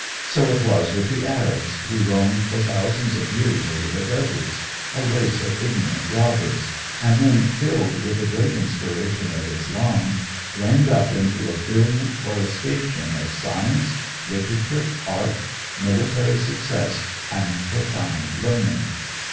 So it was with the Arabs, who roamed for thousands of years over the deserts, a race of ignorant robbers, and then, filled with the great inspiration of Islam, flamed up into a brilliant coruscation of science, literature, art, military success, and profound learning.